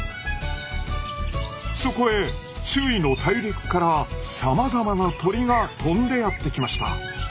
そこへ周囲の大陸からさまざまな鳥が飛んでやって来ました。